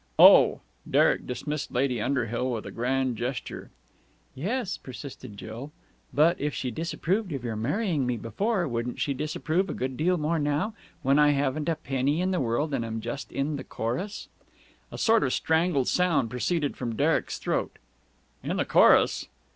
"Oh!" Derek dismissed Lady Underhill with a grand gesture. "Yes," persisted Jill, "but, if she disapproved of your marrying me before, wouldn't she disapprove a good deal more now, when I haven't a penny in the world and am just in the chorus...." A sort of strangled sound proceeded from Derek's throat. "In the chorus!"